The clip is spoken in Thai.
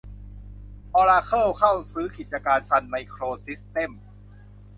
ออราเคิลเข้าซื้อกิจการซันไมโครซิสเต็มส์